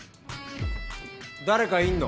誰かいんの？